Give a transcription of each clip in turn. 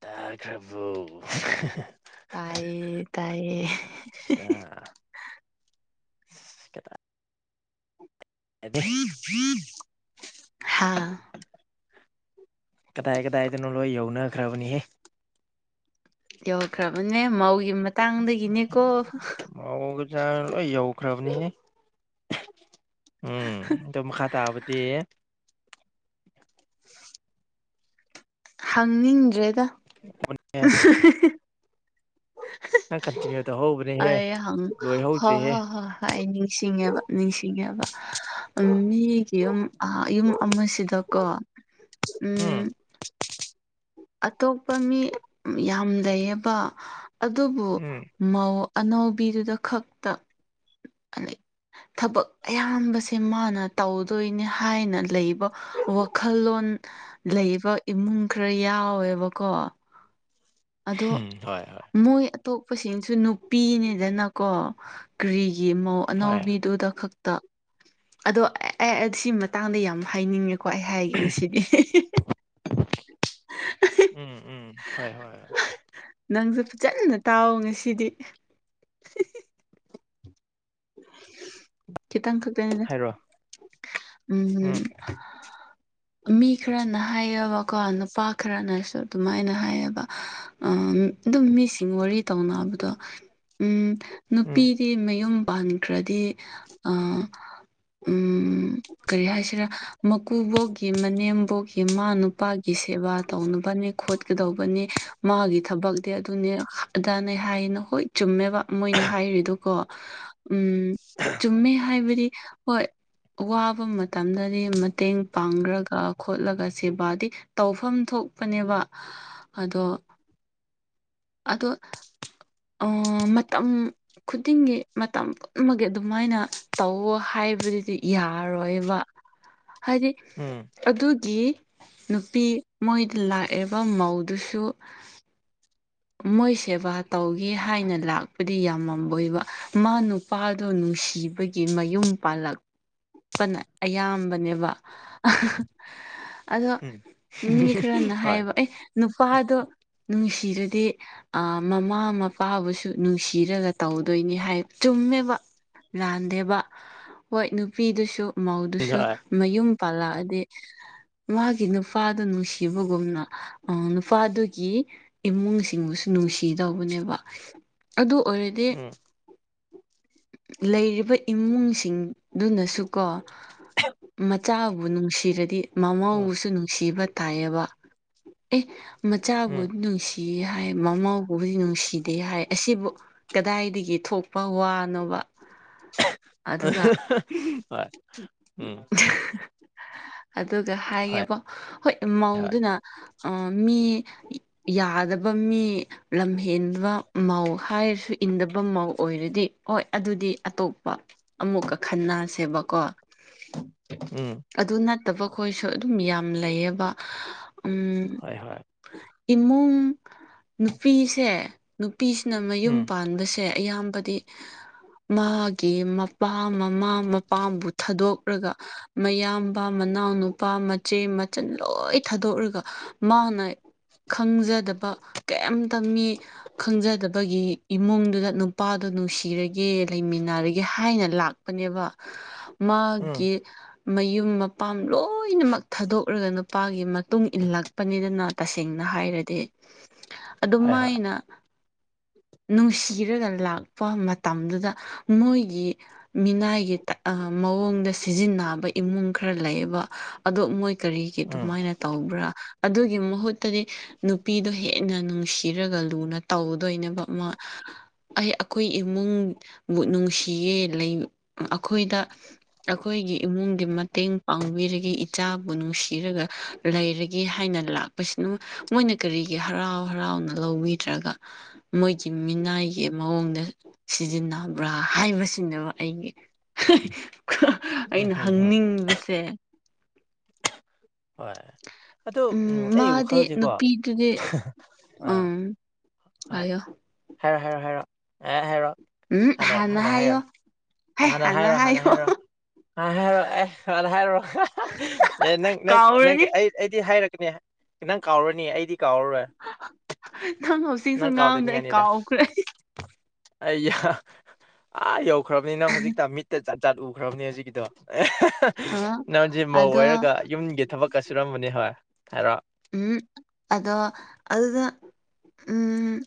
ꯇꯗꯔꯕꯣ ꯇꯥꯏꯌꯦ ꯇꯥꯏꯌꯦ ꯑꯗ ꯍꯥꯥ ꯀꯗꯥꯏ ꯀꯗꯥꯏꯗꯅꯣ ꯂꯣꯏ ꯌꯧꯅꯈ꯭ꯔꯕꯅꯤꯍꯦ ꯌꯧꯈ꯭ꯔꯕꯅꯦ ꯃꯧꯒꯤ ꯃꯇꯥꯡꯗꯒꯤꯅꯦꯀꯣ ꯃꯧꯒ ꯆꯥ ꯂꯣꯏ ꯌꯧꯈ꯭ꯔꯕꯅꯤꯍꯦ ꯎꯝ ꯑꯗꯣ ꯃꯈꯥ ꯇꯥꯕꯗꯤ [inaudible] ꯍꯪꯅꯤꯡꯗ꯭ꯔꯦꯗ [inaudible] [inaudible] ꯅꯪ ꯀꯟꯇꯤꯅ꯭ꯌꯨ ꯇꯧꯍꯧꯕꯅꯦꯍꯦ ꯑꯩ ꯍꯪ ꯍ ꯂꯣꯏꯍꯧꯗ꯭ꯔꯤꯍꯦ ꯍ ꯍ ꯑꯩ ꯅꯤꯡꯁꯤꯡꯉꯦꯕ ꯅꯤꯡꯁꯤꯡꯉꯦꯕ ꯃꯤꯒꯤ ꯌꯨꯝ ꯑ ꯌꯨꯝ ꯑꯃꯁꯤꯗꯀꯣ ꯎꯝ ꯑꯇꯣꯞꯄ ꯃꯤ ꯌꯥꯝ ꯂꯩꯌꯦꯕ ꯑꯗꯨꯕꯨ ꯎꯝ ꯃꯧ ꯑꯅꯧꯕꯤꯗꯨꯗ ꯈꯛꯇ ꯑ ꯊꯕꯛ ꯑꯌꯥꯝꯕꯁꯦ ꯃꯥꯅ ꯇꯧꯗꯣꯏꯅꯤ ꯍꯥꯏꯅ ꯂꯩꯕ ꯋꯥꯈꯜꯂꯣꯟ ꯂꯩꯕ ꯏꯃꯨꯡ ꯈꯔ ꯌꯥꯎꯋꯦꯕꯀꯣ ꯑꯗꯣ ꯎꯝ ꯍꯣꯏ ꯍꯣꯏ ꯃꯣꯏ ꯑꯇꯣꯞꯄꯁꯤꯡꯁꯨ ꯅꯨꯄꯤꯅꯤꯗꯅꯀꯣ ꯀꯔꯤꯒꯤ ꯃꯧ ꯍꯣꯏ ꯑꯅꯧꯕꯤꯗꯨꯗ ꯈꯛ ꯇꯥ ꯑꯗꯣ ꯑꯦ ꯁꯤ ꯃꯇꯥꯡꯗ ꯌꯥꯝ ꯍꯥꯏꯅꯤꯡꯉꯦꯀꯣ ꯑꯩ ꯍꯥꯏꯒꯦ ꯉꯁꯤꯗꯤ ꯎꯝ ꯎꯝ ꯍꯣꯏ ꯍꯣꯏ ꯅꯪꯁꯨ ꯐꯖꯅ ꯇꯥꯑꯣ ꯉꯁꯤꯗꯤ ꯈꯤꯇꯪ ꯈꯛꯇꯅꯤ [inaudible] ꯎꯝ ꯎꯝꯝ ꯃꯤ ꯈꯔꯅ ꯍꯥꯏꯌꯦꯕꯀꯣ ꯅꯨꯄꯥ ꯈꯔꯅꯁꯨ ꯑꯗꯨꯃꯥꯏꯅ ꯍꯥꯏꯌꯦꯕ ꯎꯝ ꯑꯗꯨꯝ ꯃꯤꯁꯤꯡ ꯋꯥꯔꯤ ꯇꯧꯅꯕꯗꯣ ꯎꯝ ꯎꯝ ꯅꯨꯄꯤꯗꯤ ꯃꯌꯨꯝ ꯄꯥꯟ ꯈ꯭ꯔꯗꯤ ꯑ ꯎꯝ ꯀꯔꯤ ꯍꯥꯏꯁꯤꯔꯥ ꯃꯀꯨꯕꯣꯛꯀꯤ ꯃꯅꯦꯝꯕꯣꯛꯒꯤ ꯃꯥ ꯅꯨꯄꯥꯒꯤ ꯁꯦꯕꯥ ꯇꯧꯅꯕꯅꯤ ꯈꯣꯠꯀꯗꯧꯕꯅꯤ ꯃꯥꯒꯤ ꯊꯕꯛꯇꯤ ꯑꯗꯨꯅꯦ ꯑꯗꯥꯅꯦ ꯍꯥꯏꯌꯦꯅ ꯍꯣꯏ ꯆꯨꯝꯃꯦꯕ ꯃꯣꯏꯅ ꯍꯥꯏꯔꯤꯗꯨꯀꯣ [inaudible] ꯎꯝ ꯆꯨꯝꯃꯦ ꯍꯥꯏꯕꯗꯤ ꯍꯣꯏ ꯋꯥꯕ ꯃꯇꯝꯗꯗꯤ ꯃꯇꯦꯡ ꯄꯥꯡ ꯔꯒ ꯈꯣꯠꯂꯒ ꯁꯦꯕꯥꯗꯤ ꯇꯧꯐꯝ ꯊꯣꯛꯄꯅꯦꯕ ꯑꯗꯣ ꯑꯗꯣ ꯑꯥ ꯃꯇꯝ ꯈꯨꯗꯤꯡꯒꯤ ꯃꯇꯝ ꯄꯨꯝꯕꯒꯤ ꯑꯗꯨꯃꯥꯏꯅ ꯇꯧꯋꯣ ꯍꯥꯏꯕꯗꯨꯗꯤ ꯌꯥꯔꯣꯏꯕ ꯍꯥꯏꯗꯤ ꯎꯝ ꯑꯗꯨꯒꯤ ꯅꯨꯄꯤ ꯃꯣꯏꯗ ꯂꯥꯛꯏꯕ ꯃꯧꯗꯨꯁꯨ ꯃꯣꯏ ꯁꯦꯕꯥ ꯇꯧꯒꯦ ꯍꯥꯏꯅ ꯂꯥꯛꯄꯗꯤ ꯌꯥꯝꯃꯝ ꯃꯣꯏꯕ ꯃꯥ ꯅꯨ ꯅꯨꯄꯥꯗꯨ ꯅꯨꯡꯁꯤꯕꯒꯤ ꯃꯌꯨꯝ ꯄꯥꯜꯂꯛ ꯄꯅ ꯑꯌꯥꯝꯕꯅꯦꯕ ꯑꯗꯣ ꯎꯝ ꯃꯤ ꯈꯔꯅ ꯍꯣꯏ ꯍꯥꯏꯌꯦꯕ ꯑꯦ ꯅꯨꯄꯥꯗꯣ ꯅꯨꯡꯁꯤꯔꯗꯤ ꯗꯤ ꯃꯃꯥ ꯃꯄꯥꯕꯨꯁꯨ ꯅꯨꯡꯁꯤꯔꯒ ꯇꯧꯗꯣꯏꯅꯤ ꯍꯥꯏ ꯆꯨꯝꯃꯦꯕ ꯂꯥꯟꯗꯦꯕ ꯍꯣꯏ ꯅꯨꯄꯤꯗꯨꯁꯨ ꯃꯧꯗꯨꯁꯨ ꯍꯣꯏ ꯃꯌꯨꯝ ꯄꯥꯜꯂꯛꯑꯗꯤ ꯃꯥꯒꯤ ꯅꯨꯄꯥꯗꯨ ꯅꯨꯡꯁꯤꯕꯒꯨꯝꯅ ꯑ ꯅꯨꯄꯥꯗꯨꯒꯤ ꯏꯃꯨꯡ ꯁꯤꯡꯕꯨꯁꯨ ꯅꯨꯡꯁꯤꯗꯧꯕꯅꯦꯕ ꯑꯗꯨ ꯑꯣꯏꯔꯗꯤ ꯎꯝ ꯂꯩꯔꯤꯕ ꯏꯃꯨꯡꯁꯤꯡꯗꯨꯅꯁꯨꯀꯣ ꯃꯆꯥꯕꯨ ꯅꯨꯡꯁꯤꯔꯗꯤ ꯎꯝ ꯃꯃꯧꯕꯨꯁꯨ ꯅꯨꯡꯁꯤꯕ ꯇꯥꯏꯑꯦꯕ ꯑꯦ ꯎꯝ ꯃꯆꯥꯕꯨꯗꯤ ꯅꯨꯡꯁꯤ ꯍꯥꯏ ꯃꯃꯧꯕꯨꯗꯤ ꯅꯨꯡꯁꯤꯗꯦ ꯍꯥꯏ ꯑꯁꯤꯕꯨ ꯀꯗꯥꯏꯗꯒꯤ ꯊꯣꯛꯄ ꯋꯥꯅꯣꯕ ꯑꯗꯨꯒ [unintelligible] ꯍꯣꯏ ꯎꯝ ꯑꯗꯨꯒ ꯍꯣꯏ ꯍꯥꯏꯒꯦꯕ ꯍꯣꯏ ꯍꯣꯏ ꯃꯧꯗꯨꯅ ꯑ ꯃꯤ ꯌꯥꯗꯕ ꯃꯤ ꯂꯝꯍꯦꯟꯕ ꯃꯧ ꯍꯥꯏꯔꯁꯨ ꯏꯟꯗꯕ ꯃꯧ ꯑꯣꯏꯔꯗꯤ ꯍꯣꯏ ꯑꯗꯨꯗꯤ ꯑꯇꯣꯞꯄ ꯑꯃꯨꯛꯀ ꯈꯟꯅꯁꯦꯕꯀꯣ ꯎꯝ ꯑꯗꯨ ꯅꯠꯇꯕ ꯈꯣꯏꯁꯨ ꯑꯗꯨꯝ ꯌꯥꯝ ꯂꯩꯌꯦꯕ ꯎꯝ ꯍꯣꯏ ꯍꯣꯏ ꯏꯃꯨꯡ ꯅꯨꯄꯤꯁꯦ ꯅꯨꯄꯤꯁꯤꯅ ꯃꯌꯨꯝ ꯎꯝ ꯄꯥꯟꯕ ꯁꯦ ꯑꯌꯥꯝꯕꯗꯤ ꯃꯥꯒꯤ ꯃꯄꯥ ꯃꯃꯥ ꯃ ꯊꯥꯗꯣꯛꯔꯒ ꯃꯌꯥꯝꯕ ꯃꯅꯥꯎꯅꯨꯄꯥ ꯃꯆꯦ ꯃꯆꯜ ꯂꯣꯏ ꯊꯥꯗꯣꯛꯔꯒ ꯃꯥꯅ ꯈꯪꯖꯗꯕ ꯀꯩꯝꯇ ꯃꯤ ꯈꯪꯖꯗ ꯕꯒꯤ ꯏꯃꯨꯡꯗꯨꯗ ꯅꯨꯄꯥꯗꯣ ꯅꯨꯡꯁꯤꯔꯒꯦ ꯂꯩꯃꯤꯟꯅꯔꯒꯦ ꯍꯥꯏꯅ ꯂꯥꯛꯄꯅꯦꯕ ꯎꯝ ꯃꯥꯒꯤ ꯃꯌꯨꯝ ꯃꯄꯥꯝ ꯂꯣꯏꯅꯃꯛ ꯊꯥꯗꯣꯛꯔꯒ ꯅꯨꯄꯥꯒꯤ ꯃꯇꯨꯡ ꯏꯜꯂꯛꯄꯅꯤꯗꯅ ꯇꯁꯦꯡꯅ ꯍꯥꯏꯔꯗꯤ [inaudible] ꯑꯗꯨꯝꯃꯥꯏꯅ ꯅꯨꯡꯁꯤꯔꯒ ꯂꯥꯛꯄ ꯃꯇꯝꯗꯨꯗ ꯃꯣꯏꯒꯤ ꯃꯤꯅꯥꯏꯒꯤ ꯑꯥ ꯃꯑꯣꯡꯗ ꯁꯤꯖꯤꯟꯅꯕ ꯏꯃꯨꯡ ꯈꯔ ꯂꯩꯌꯦꯕ ꯑꯗꯣ ꯃꯣꯏ ꯀꯔꯤꯒꯤ ꯎꯝ ꯑꯗꯨꯃꯥꯏꯅ ꯇꯧꯕ꯭ꯔꯥ ꯑꯗꯨꯒꯤ ꯃꯍꯨꯠꯇꯗꯤ ꯅꯨꯄꯤꯗꯣ ꯍꯦꯟꯅ ꯅꯨꯡꯁꯤꯔꯒ ꯂꯨꯅ ꯇꯧꯗꯣꯏꯅꯦꯕ ꯃ ꯑꯩ ꯑꯩꯈꯣꯏ ꯏꯃꯨꯡꯕꯨ ꯅꯨꯡꯁꯤꯌꯦ ꯂꯩ ꯑꯩꯈꯣꯏꯗ ꯑꯩꯈꯣꯏꯒꯤ ꯏꯃꯨꯡꯒꯤ ꯃꯇꯦꯡ ꯄꯥꯡꯕꯤꯔꯒꯦ ꯏꯆꯥꯕꯨ ꯅꯨꯡꯁꯤꯔꯒ ꯂꯩꯔꯒꯦ ꯍꯥꯏꯅ ꯂꯥꯛꯄꯁꯤꯅ ꯃꯣꯏꯅ ꯀꯔꯤꯒꯤ ꯍꯔꯥꯎ ꯍꯔꯥꯎꯅ ꯂꯧꯕꯤꯗ꯭ꯔꯒ ꯃꯣꯏꯒꯤ ꯃꯤꯅꯥꯏꯒꯤ ꯃꯑꯣꯡꯗ ꯁꯤꯖꯤꯟꯅꯕ꯭ꯔꯥ ꯍꯥꯏꯕꯁꯤꯅꯦꯕ ꯑꯩꯒꯤ [unintelligible] ꯎꯝ ꯑꯩꯅ ꯍꯝ ꯍꯝ ꯍꯪꯅꯤꯡꯕꯁꯦ ꯍꯣꯏ ꯑꯗꯣ ꯎꯝ ꯑꯩ ꯃꯥꯗꯤ ꯋꯥꯈꯜꯁꯤꯀꯣ ꯅꯨꯄꯤꯗꯨꯗꯤ ꯑ ꯎꯝ ꯍꯣꯏ ꯍꯥꯏꯌꯣ ꯍꯥꯏꯔꯣ ꯍꯥꯏꯔꯣ ꯍꯥꯏꯔꯣ ꯑꯦ ꯍꯥꯏꯔꯣ ꯎꯝ ꯍꯥꯟꯅ ꯍꯥꯏꯌꯣ ꯍꯦ ꯍꯥꯟꯅ ꯍꯥꯏꯔꯣ ꯍꯥꯟꯅ ꯍꯥꯏꯌꯣ ꯍꯥꯏꯔꯣ ꯍꯥꯍꯥꯏꯔꯣ ꯑꯦ ꯍꯥꯅ ꯍꯥꯏꯔꯣ [unintelligible] ꯑꯦ ꯅꯪ ꯅꯪ ꯅꯪꯒꯤ ꯀꯥꯎꯔꯅꯤ ꯑꯩ ꯑꯩꯗꯤ ꯍꯥꯏꯔꯛꯀꯅꯤ ꯅꯪ ꯀꯥꯎꯔꯅꯤ ꯑꯩꯗꯤ ꯀꯥꯎꯔꯔꯣꯏ ꯅꯪ ꯍꯧꯖꯤꯛꯁꯨ ꯉꯥꯡꯕꯗ ꯑꯩ ꯀꯥꯎꯈ꯭ꯔꯦ ꯑꯩꯌꯥ ꯑꯥ ꯌꯧꯈ꯭ꯔꯝꯅꯤꯅ ꯍꯧꯖꯤꯛꯇ ꯃꯤꯠꯇ ꯆꯠ ꯆꯠ ꯎꯈ꯭ꯔꯕꯅꯦ ꯍꯧꯖꯤꯀꯤꯗꯣ [unintelligible] ꯑ ꯅꯪꯁꯦ ꯃꯧ ꯑꯗꯣ ꯑꯣꯏꯔꯒ ꯌꯨꯝꯒꯤ ꯊꯕꯛꯀ ꯁꯨꯔꯝꯕꯅꯤ ꯍꯣꯏ ꯍꯥꯏꯔꯣ ꯎꯝ ꯑꯗꯣ ꯑꯗꯨꯅ ꯎꯝ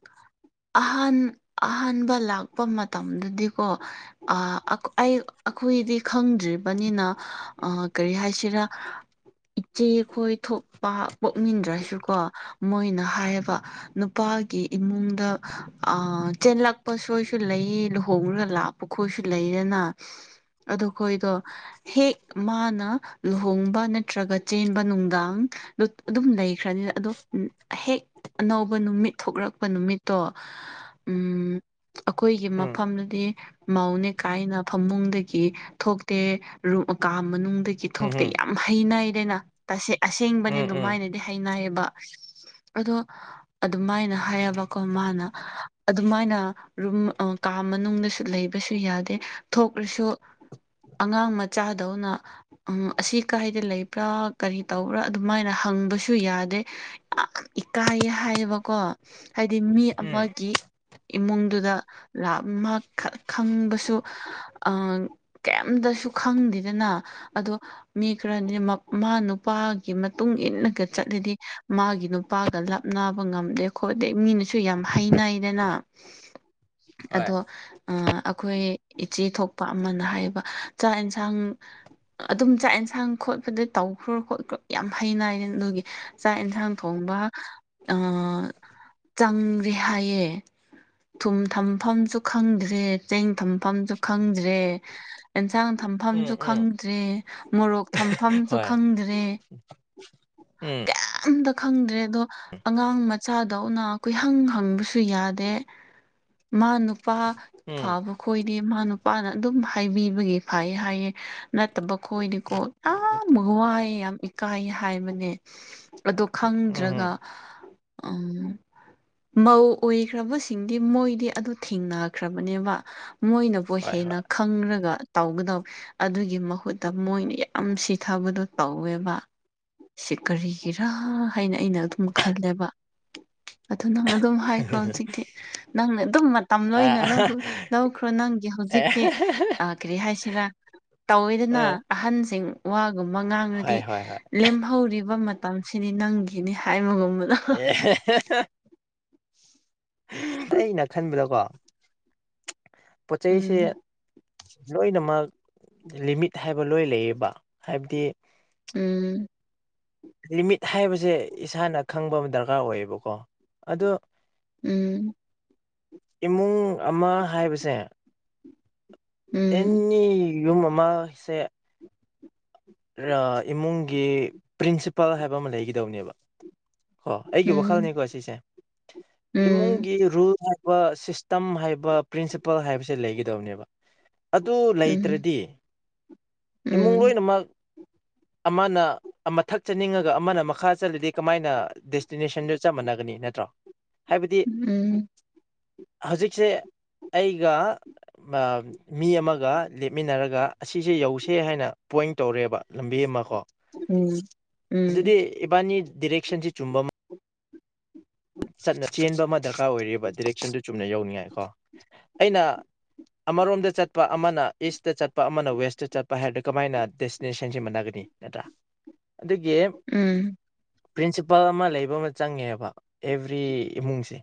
ꯑꯍꯥꯟ ꯑꯍꯥꯟꯕ ꯂꯥꯛꯄ ꯃꯇꯝꯗꯗꯤꯀꯣ ꯑꯥ ꯑꯛ ꯑꯩ ꯑꯩꯈꯣꯏꯗꯤ ꯈꯪꯗ꯭ꯔꯤꯕꯅꯤꯅ ꯑ ꯀꯔꯤ ꯍꯥꯏꯁꯤꯔꯥ ꯏꯆꯦ ꯈꯣꯏ ꯊꯣꯛꯄ ꯄꯣꯛꯃꯤꯟꯗ꯭ꯔꯁꯨ ꯀꯣ ꯃꯣꯏꯅ ꯍꯥꯏꯌꯦꯕ ꯅꯨꯄꯥꯒꯤ ꯏꯃꯨꯡꯗ ꯑ ꯆꯦꯜꯂꯛꯄ ꯁꯣꯏꯁꯨ ꯂꯩꯌꯦ ꯂꯨꯍꯣꯡꯔ ꯂꯥꯛ ꯄꯨꯈꯣꯏꯁꯨ ꯂꯩꯗꯅ ꯑꯗꯨ ꯈꯣꯏꯗꯣ ꯍꯦꯛ ꯃꯥꯅ ꯂꯨꯍꯣꯡꯕ ꯅꯠꯇ꯭ꯔꯒ ꯆꯦꯟꯕ ꯅꯨꯡꯗꯥꯡ ꯑꯗꯨꯝ ꯂꯩꯈ꯭ꯔꯅꯤꯅ ꯑꯗꯣ ꯍꯦꯛ ꯑꯅꯧꯕ ꯅꯨꯃꯤꯠ ꯊꯣꯛꯂꯛꯄ ꯅꯨꯃꯤꯠꯇꯣ ꯎꯝ ꯑꯩꯈꯣꯏꯒꯤ ꯎꯝ ꯃꯐꯝꯗꯨꯗꯤ ꯃꯧꯅꯦ ꯀꯥꯏꯅ ꯐꯃꯨꯡꯗꯒꯤ ꯊꯣꯛꯇꯦ ꯀꯥ ꯃꯅꯨꯡꯗꯒꯤ ꯎꯝ ꯊꯣꯛꯇꯦ ꯎꯝ ꯌꯥꯝ ꯍꯩꯅꯩꯗꯅ ꯑꯁꯦꯡꯕꯅꯤ ꯎꯝ ꯎꯝ ꯗꯤ ꯍꯥꯏꯅꯩꯌꯦꯕ ꯑꯗꯣ ꯑꯗꯨꯃꯥꯏꯅ ꯍꯥꯏꯌꯦꯕꯀꯣ ꯃꯥꯅ ꯑꯗꯨꯃꯥꯏꯅ ꯔꯨꯝ ꯀꯥ ꯃꯅꯨꯡꯗꯁꯨ ꯂꯩꯕꯁꯨ ꯌꯥꯗꯦ ꯊꯣꯛꯂꯁꯨ ꯑꯉꯥꯡ ꯃꯆꯥꯗꯧꯅ ꯎꯝ ꯑꯁꯤ ꯀꯥꯏꯗ ꯂꯩꯕ꯭ꯔꯥ ꯀꯔꯤ ꯇꯧꯕ꯭ꯔꯥ ꯑꯗꯨꯃꯥꯏꯅ ꯍꯪꯕꯁꯨ ꯌꯥꯗꯦ ꯌꯥꯝ ꯏꯀꯥꯏꯌꯦ ꯍꯥꯏꯌꯦꯕꯀꯣ ꯍꯥꯏꯗꯤ ꯃꯤ ꯎꯝ ꯑꯃꯒꯤ ꯏꯃꯨꯡꯗꯨꯗ ꯔꯛ ꯃ ꯈꯪꯕꯁꯨ ꯑ ꯀꯩꯝꯇꯁꯨ ꯈꯪꯗꯦꯗꯅ ꯑꯗꯣ ꯃꯤ ꯈꯔꯗꯤ ꯃꯥ ꯅꯨꯄꯥꯒꯤ ꯃꯇꯨꯡ ꯏꯟꯅꯂꯒ ꯆꯠꯂꯤꯗꯤ ꯃꯥꯒꯤ ꯅꯨꯄꯥꯒ ꯂꯥꯞ ꯅꯥꯕ ꯉꯝꯗꯦ ꯈꯣꯠꯇꯦ ꯃꯤꯅꯁꯨ ꯁꯨ ꯌꯥꯝ ꯍꯥꯏꯅꯩꯗꯅ [inaudible] ꯑꯗꯣ ꯑ ꯑꯩꯈꯣꯏ ꯏꯆꯦ ꯊꯣꯛꯄ ꯑꯃꯅ ꯍꯥꯏꯌꯦꯕ ꯆꯥꯛ ꯌꯦꯟꯁꯥꯡ ꯑꯗꯨꯝ ꯆꯥꯛ ꯌꯦꯟꯁꯥꯡ ꯈꯣꯠꯄꯗ ꯇꯧꯈ꯭ꯔꯣ ꯈꯣꯠꯈ꯭ꯔꯣ ꯌꯥꯝ ꯍꯩꯅꯥꯏꯔ ꯑꯗꯨꯒꯤ ꯆꯥꯛ ꯌꯦꯟꯁꯥꯡ ꯊꯣꯡꯕ ꯑ ꯆꯪꯔꯦ ꯍꯥꯏꯌꯦ ꯊꯨꯝ ꯊꯝꯐꯝꯁꯨ ꯈꯪꯗ꯭ꯔꯦ ꯆꯦꯡ ꯊꯝꯐꯝꯁꯨ ꯈꯪꯗ꯭ꯔꯦ ꯑꯦꯟꯁꯥꯡ ꯊꯝꯐꯝꯁꯨ ꯎꯝ ꯎꯝ ꯈꯪꯗ꯭ꯔꯦ ꯃꯣꯔꯣꯛ ꯊꯝꯐꯝꯁꯨ ꯍꯣꯏ ꯈꯪꯗ꯭ꯔꯦ ꯎꯝ ꯀꯩꯝꯇ ꯈꯪꯗ꯭ꯔꯦ ꯑꯗꯣ ꯑꯉꯥꯡ ꯃꯆꯥ ꯗꯧꯅ ꯀꯣꯏꯍꯪ ꯍꯪꯕꯁꯨ ꯌꯥꯗꯦ ꯃꯥ ꯅꯨꯄꯥ ꯐꯥꯕ ꯑꯩꯈꯣꯏꯗꯤ ꯃꯥ ꯅꯨꯄꯥꯅ ꯑꯗꯨꯝ ꯍꯥꯏꯕꯤꯕꯒꯤ ꯐꯩ ꯍꯥꯏꯌꯦ ꯅꯠꯇꯕ ꯑꯩꯈꯣꯏꯗꯤꯀꯣ ꯌꯥꯝ ꯋꯥꯏ ꯌꯥꯝ ꯏꯀꯥꯏ ꯍꯥꯏꯕꯅꯦ ꯑꯗꯣ ꯈꯪꯗ꯭ꯔꯒ ꯎꯝ ꯃꯧ ꯑꯣꯏꯈ꯭ꯔꯕꯁꯤꯡꯗꯤ ꯃꯣꯏꯗꯤ ꯑꯗꯨ ꯊꯦꯡꯅꯈ꯭ꯔꯕꯅꯦꯕ ꯃꯣꯏꯅ ꯍꯦꯟꯅ ꯈꯪ ꯈꯪꯔꯒ ꯇꯧꯒꯗꯧ ꯑꯗꯨꯒꯤ ꯃꯍꯨꯠꯇ ꯃꯣꯏꯅ ꯌꯥꯝ ꯁꯤꯊꯕꯗꯣ ꯇꯧꯋꯦꯕ ꯁꯤ ꯀꯔꯤꯒꯤꯔꯥ ꯍꯥꯏꯅ ꯑꯩꯅ ꯑꯗꯨꯝ ꯈꯜꯂꯦꯕ [inaudible] ꯑꯗꯨ ꯅꯪ ꯑꯗꯨꯝ ꯍꯥꯏꯈ꯭ꯔꯣ ꯍꯧꯖꯤꯛꯇꯤ ꯅꯪꯅ ꯑꯗꯨꯝ ꯃꯇꯝ ꯂꯣꯏꯅ ꯂꯧꯈ꯭ꯔꯣ ꯅꯪꯒꯤ ꯍꯧꯖꯤꯛꯇꯤ ꯑ ꯀꯔꯤ ꯍꯥꯏꯁꯤꯔ ꯇꯧꯋꯦꯗꯅ ꯑꯍꯟꯁꯤꯡ ꯋꯥꯒꯨꯝꯕ ꯉꯥꯡꯔꯗꯤ ꯂꯦꯝꯍꯧꯔꯤꯕ ꯃꯇꯝꯁꯤꯗꯤ ꯅꯪꯒꯤꯅꯤ ꯍꯥꯏꯕꯒꯨꯝ ꯑꯦ ꯑꯩꯅ ꯈꯟꯕꯗꯀꯣ ꯄꯣꯠ ꯆꯩꯁꯦ ꯎꯝ ꯂꯣꯏꯅꯃꯛ ꯂꯤꯃꯤꯠ ꯍꯥꯏꯕ ꯂꯣꯏ ꯂꯩꯌꯦꯕ ꯍꯥꯏꯕꯗꯤ ꯎꯝ ꯂꯤꯃꯤꯠ ꯍꯥꯏꯕꯁꯦ ꯏꯁꯥꯅ ꯈꯪꯕ ꯑꯃ ꯗꯔꯀꯥꯔ ꯑꯣꯏꯌꯦꯕꯀꯣ ꯑꯗꯣ ꯎꯝ ꯏꯃꯨꯡ ꯑꯃ ꯍꯥꯏꯕꯁꯦ ꯎꯝ ꯑꯦꯅꯤ ꯌꯨꯝ ꯑꯃꯁꯦ ꯏꯃꯨꯡꯒꯤ ꯄ꯭ꯔꯤꯟꯁꯤꯄꯥꯜ ꯍꯥꯏꯕ ꯑꯃ ꯂꯩꯒꯗꯧꯅꯦꯕ ꯑꯣ ꯎꯝ ꯑꯩꯒꯤ ꯎꯝ ꯋꯥꯈꯜꯅꯤꯀꯣ ꯁꯤꯁꯦ ꯎꯝ ꯏꯃꯨꯡꯒꯤ ꯔꯨꯜ ꯍꯥꯏꯕ ꯁꯤꯁꯇꯝ ꯍꯥꯏꯕ ꯄ꯭ꯔꯤꯟꯁꯤꯄꯜ ꯍꯥꯏꯕꯁꯦ ꯂꯩꯒꯗꯕꯅꯦꯕ ꯑꯗꯨ ꯎꯝ ꯂꯩꯇ꯭ꯔꯗꯤ ꯏꯃꯨꯡ ꯎꯝ ꯂꯣꯏꯅꯃꯛ ꯑꯃꯅ ꯑꯃꯊꯛ ꯆꯠꯅꯤꯡꯉꯒ ꯑꯃꯅ ꯃꯈꯥ ꯆꯠꯂꯤꯗꯤ ꯀꯃꯥꯏꯅ ꯗꯦꯁꯇꯤꯅꯦꯁꯟꯗꯨ ꯆ ꯃꯥꯟꯅꯒꯅꯤ ꯅꯠꯇ꯭ꯔꯣ ꯍꯥꯏꯕꯗꯤ ꯎꯝ ꯍꯧꯖꯤꯛꯁꯦ ꯑꯩꯒ ꯃꯤ ꯑꯃꯒ ꯂꯦꯞꯃꯤꯟꯅꯔꯒ ꯑꯁꯤꯁꯦ ꯌꯧꯁꯦ ꯍꯥꯏꯅ ꯄꯣꯏꯟ ꯇꯧꯔꯦꯕ ꯂꯝꯕꯤ ꯑꯃ ꯀꯣ ꯎꯝ ꯎꯝ ꯎꯝ ꯑꯗꯨꯗꯤ ꯏꯕꯥꯅꯤ ꯗꯤꯔꯦꯛꯁꯟꯁꯤ ꯆꯨꯝꯕ ꯆꯠꯅ ꯆꯦꯟꯕ ꯑꯃ ꯗꯔꯀꯥꯔ ꯑꯣꯏꯔꯦꯕ ꯗꯤꯏꯔꯦꯛꯁꯟꯗꯨ ꯆꯨꯝꯅ ꯌꯧꯅꯤꯡꯉꯥꯏ ꯀꯣ ꯑꯩꯅ ꯑꯃꯔꯣꯝꯗ ꯆꯠꯄ ꯑꯃꯅ ꯏꯁꯇ ꯆꯠꯄ ꯑꯃꯅ ꯋꯦꯁꯇ ꯆꯠꯄ ꯍꯥꯏꯔꯗꯤ ꯀꯃꯥꯏꯅ ꯗꯦꯁꯇꯤꯅꯦꯁꯟꯁꯤ ꯃꯥꯟꯟꯅꯒꯅꯤ ꯅꯠꯇ꯭ꯔꯥ ꯑꯗꯨꯒꯤ ꯎꯝ ꯄ꯭ꯔꯤꯟꯁꯤꯄꯜ ꯑꯃ ꯂꯩꯕ ꯑꯃ ꯆꯪꯉꯦꯕ ꯑꯦꯕ꯭ꯔꯤ ꯏꯃꯨꯡꯁꯦ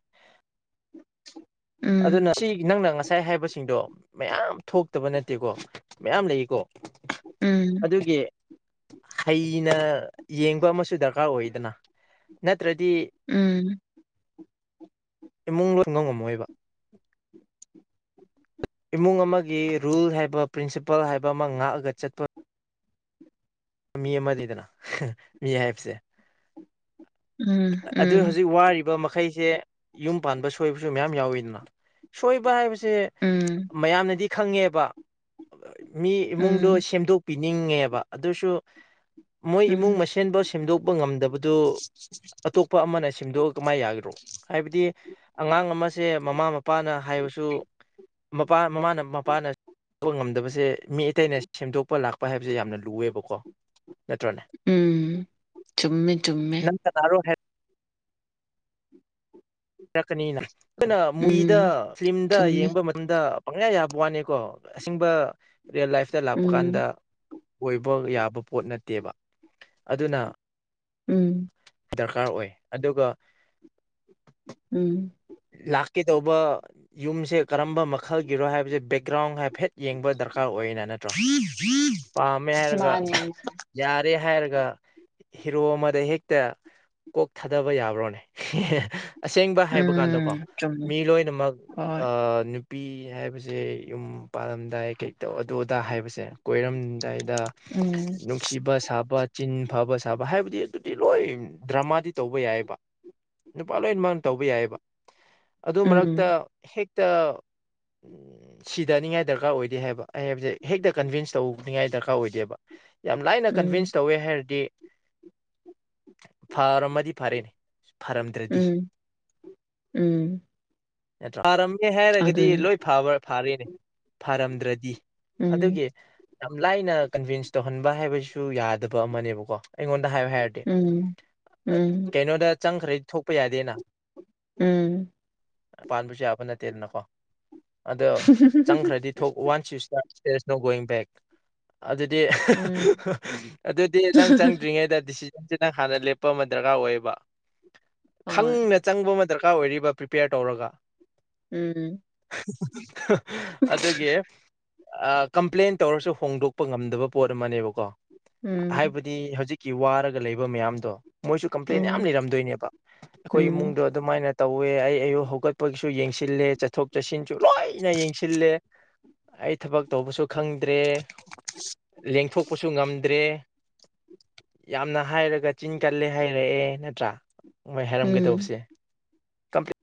ꯑꯗꯨꯅ ꯁꯤ ꯅꯪꯅ ꯉꯁꯥꯏ ꯍꯥꯏꯕꯁꯤꯡꯗꯣ ꯃꯌꯥꯝ ꯊꯣꯛꯇꯕ ꯅꯠꯇꯦꯀꯣ ꯃꯌꯥꯝ ꯂꯩꯀꯣ ꯎꯝ ꯑꯗꯨꯒꯤ ꯍꯩꯅ ꯌꯦꯡꯕ ꯑꯃꯁꯨ ꯗꯔꯀꯥꯔ ꯑꯣꯏꯗꯅ ꯅꯠꯇ꯭ꯔꯗꯤ ꯎꯝ ꯏꯃꯨꯡ ꯂꯣꯏ ꯉꯝꯃꯣꯏꯕ ꯏꯃꯨꯡ ꯑꯃꯒꯤ ꯔꯨꯜ ꯍꯥꯏꯕ ꯄ꯭ꯔꯤꯟꯁꯤꯄꯜ ꯍꯥꯏꯕ ꯑꯃ ꯉꯥꯛꯑꯒ ꯆꯠꯄ ꯃꯤ ꯑꯃꯅꯤꯗꯅ ꯃꯤ ꯍꯥꯏꯕꯁꯦ ꯑꯗꯨ ꯍꯧꯖꯤꯛ ꯋꯥꯔꯤꯕ ꯃꯈꯩꯁꯦ ꯌꯨꯝ ꯄꯥꯟꯕ ꯁꯣꯏꯕꯁꯨ ꯃꯌꯥꯝ ꯌꯥꯎꯋꯤꯗꯅ ꯁꯣꯏꯕ ꯍꯥꯏꯕꯁꯦ ꯃꯌꯥꯝꯅꯗꯤ ꯈꯪꯉꯦꯕ ꯃꯤ ꯎꯝ ꯏꯃꯨꯡꯗꯣ ꯎꯝ ꯁꯦꯝꯗꯣꯛꯄꯤꯅꯤꯡꯉꯦꯕ ꯑꯗꯨꯁꯨ ꯃꯣꯏ ꯏꯃꯨꯡ ꯎꯝ ꯃꯁꯦꯟꯐꯥꯎ ꯁꯦꯝꯗꯣꯛꯄ ꯉꯝꯗꯕꯗꯨ ꯑꯇꯣꯞꯄ ꯑꯃꯅ ꯁꯦꯝꯗꯣꯛꯑꯒ ꯀꯃꯥꯏ ꯌꯥꯒꯗꯔꯣ ꯍꯥꯏꯕꯗꯤ ꯑꯉꯥꯡ ꯑꯃꯁꯦ ꯃꯃꯥ ꯃꯄꯥ ꯃꯄꯥꯅ ꯍꯥꯏꯕꯁꯨ ꯃꯄꯥ ꯃꯃꯥꯅ ꯃꯄꯥꯅ ꯉꯝꯗꯕꯁꯦ ꯃꯤ ꯑꯇꯩꯅ ꯁꯦꯝꯗꯣꯛꯄ ꯂꯥꯛꯄ ꯍꯥꯏꯕꯁꯦ ꯌꯥꯝꯅ ꯂꯨꯑꯦꯕꯀꯣ ꯅꯠꯇ꯭ꯔꯅꯦ ꯎꯝ ꯆꯨꯝꯃꯦ ꯆꯨꯝꯃꯦ [unintelligible] ꯆꯛꯀꯅꯤꯅ ꯑꯩꯈꯣꯏꯅ ꯃꯨꯕꯤꯗ ꯎꯝ ꯐꯤꯂꯝꯗ ꯆꯨꯝꯃꯦ ꯌꯦꯡꯕ ꯇꯝꯗ ꯄꯪꯌꯥ ꯌꯥꯕ ꯋꯥꯅꯤꯀꯣ ꯑꯁꯦꯡꯕ ꯔꯤꯌꯦꯜ ꯂꯥꯏꯐꯇ ꯂꯥꯛꯄ ꯀꯥꯟꯗ ꯎꯝ ꯑꯣꯏꯕ ꯌꯥꯕ ꯄꯣꯠ ꯅꯠꯇꯦꯕ ꯑꯗꯨꯅ ꯎꯝ ꯗꯔꯀꯥꯔ ꯑꯣꯏ ꯑꯗꯨꯒ ꯎꯝ ꯂꯥꯛꯀꯦ ꯇꯧꯕ ꯌꯨꯝꯁꯦ ꯀꯔꯝꯕ ꯃꯈꯜꯒꯤꯔꯣ ꯍꯥꯏꯕꯁꯦ ꯕꯦꯛꯒ꯭ꯔꯥꯎꯟ ꯍꯥꯏꯐꯦꯠ ꯌꯦꯡꯕ ꯗꯔꯀꯥꯔ ꯑꯣꯏꯌꯦꯅ ꯅꯠꯇ ꯃꯥꯅꯦ ꯌꯥꯔꯦ ꯍꯥꯏꯔꯒ ꯍꯤꯔꯣ ꯑꯃꯗ ꯍꯦꯛꯇ ꯀꯣꯛ ꯊꯥꯗꯕ ꯌꯥꯕ꯭ꯔꯣꯅꯦ ꯑꯁꯦꯡꯕ ꯍꯥꯏꯕ ꯀꯥꯟꯗꯀꯣ ꯎꯝ ꯆꯨꯝꯃꯦ ꯃꯤ ꯂꯣꯏꯅꯃꯛ ꯍꯣꯏ ꯑ ꯅꯨꯄꯤ ꯍꯥꯏꯕꯁꯦ ꯌꯨꯝ ꯄꯥꯜꯂꯝꯗꯥꯏ ꯀꯩꯇꯧ ꯑꯗꯨ ꯑꯗꯥ ꯍꯥꯏꯕꯁꯦ ꯀꯣꯏꯔꯝ ꯗꯥꯏꯗ ꯎꯝ ꯅꯨꯡꯁꯤꯕ ꯁꯥꯕ ꯆꯤꯟ ꯐꯕ ꯁꯥꯕ ꯍꯥꯏꯕꯗꯤ ꯑꯗꯨꯗꯤ ꯂꯣꯏ ꯗ꯭ꯔꯃꯥꯗꯤ ꯇꯧꯕ ꯌꯥꯏꯑꯕ ꯅꯨꯄꯥ ꯂꯣꯏ ꯃꯛꯅ ꯇꯧꯕ ꯌꯥꯏꯑꯕ ꯑꯗꯨ ꯃꯔꯛꯇ ꯎꯝ ꯍꯦꯛꯇ ꯁꯤꯗꯅꯤꯡꯉꯥꯏ ꯗꯔꯀꯥꯔ ꯑꯣꯏꯗꯦ ꯍꯥꯏꯕ ꯑꯩ ꯍꯥꯏꯕꯁꯦ ꯍꯦꯛꯇ ꯀꯟꯚꯤꯟꯁ ꯇꯧꯅꯤꯡꯉꯥꯏ ꯗꯔꯀꯥꯔ ꯑꯣꯏꯗꯦꯕ ꯌꯥꯝ ꯂꯥꯏꯅ ꯎꯝ ꯀꯟꯚꯤꯟꯁ ꯇꯧꯋꯦ ꯍꯥꯏꯔꯗꯤ ꯐꯔꯝꯃꯗꯤ ꯐꯔꯦꯅꯦ ꯐꯔꯝꯗ꯭ꯔꯗꯤ ꯎꯝ ꯎꯝ ꯅꯠꯇ꯭ꯔ ꯐꯥꯔꯝꯃꯦ ꯍꯥꯏꯔꯒꯗꯤ ꯑꯗꯨꯅꯦ ꯂꯣꯏꯕ ꯐꯥꯔꯦꯅꯦ ꯐꯥꯔꯝꯗ꯭ꯔꯗꯤ ꯎꯝ ꯑꯗꯨꯒꯤ ꯌꯥꯝ ꯂꯥꯏꯅ ꯀꯟꯚꯤꯟꯁ ꯇꯧꯍꯟꯕ ꯍꯥꯏꯕꯁꯨ ꯌꯥꯗꯕ ꯑꯃꯅꯦꯕꯀꯣ ꯑꯩꯉꯣꯟꯗ ꯍꯥꯏꯌꯨ ꯍꯥꯏꯔꯗꯤ ꯎꯝ ꯎꯝ ꯀꯩꯅꯣꯗ ꯆꯪꯈ꯭ꯔꯗꯤ ꯊꯣꯛꯄ ꯌꯥꯗꯦꯅ ꯎꯝ ꯄꯥꯟꯕꯁꯨ ꯌꯥꯕ ꯅꯠꯇꯦꯗꯅꯀꯣ ꯑꯗꯣ ꯆꯪꯈ꯭ꯔꯗꯤ ꯊꯣꯛ one sister dear is ꯅꫭ going back ꯑꯗꯨꯗꯤ ꯎꯝ [unintelligible] ꯑꯗꯨꯗꯤ ꯅꯪ ꯆꯪꯗ꯭ꯔꯤꯉꯩꯗ ꯗꯤꯁꯤ ꯖꯟ ꯅꯪ ꯍꯥꯟꯅ ꯂꯦꯞꯄ ꯑꯃ ꯗꯔꯀꯥꯔ ꯑꯣꯏꯌꯦꯕ ꯍꯣꯏ ꯈꯪꯅ ꯆꯪꯕ ꯑꯃ ꯗꯔꯀꯥꯔ ꯑꯣꯏꯔꯤꯕ ꯄ꯭ꯔꯤꯄꯦꯌꯔ ꯇꯧꯔꯒ ꯎꯝ [unintelligible] ꯑꯗꯨꯒꯤ ꯑꯥ ꯀꯝꯄ꯭ꯂꯦꯟ ꯇꯧꯔꯁꯨ ꯍꯣꯡꯗꯣꯛꯄ ꯉꯝꯗꯕ ꯄꯣꯠ ꯑꯃꯅꯦꯕꯀꯣ ꯎꯝ ꯍꯥꯏꯕ ꯗꯤ ꯍꯧꯖꯤꯛꯀꯤ ꯋꯥꯔꯒ ꯂꯩꯕ ꯃꯌꯥꯝꯗꯣ ꯃꯣꯏꯁꯨ ꯀꯝꯄ꯭ꯂꯦꯟ ꯌꯥꯝ ꯑꯣ ꯂꯩꯔꯝꯗꯣꯏꯅꯦꯕ ꯑꯩꯈꯣꯏ ꯏꯃꯨꯡ ꯎꯝ ꯑꯗꯨꯃꯥꯏꯅ ꯇꯧꯋꯦ ꯑꯩ ꯑꯌꯨꯛ ꯍꯧꯒꯠꯄꯒꯤꯁꯨ ꯌꯦꯡꯁꯤꯜꯂꯦ ꯆꯠꯊꯣꯛ ꯆꯠꯁꯤꯟꯁꯨ ꯂꯣꯏꯅ ꯌꯦꯡꯁꯤꯜꯂꯦ ꯑꯩ ꯊꯕꯛ ꯇꯧꯕꯁꯨ ꯈꯪꯗ꯭ꯔꯦ ꯂꯦꯡꯊꯣꯛꯄꯁꯨ ꯉꯝꯗ꯭ꯔꯦ ꯌꯥꯝꯅ ꯍꯥꯏꯔꯒ ꯆꯤꯟ ꯀꯜꯂꯦ ꯍꯥꯏꯔꯛꯑꯦ ꯅꯠꯇ꯭ꯔꯥ ꯃꯣꯏ ꯎꯝ ꯍꯥꯏꯔꯝꯒꯗꯧꯁꯦ ꯀꯝꯄ꯭ꯂꯦ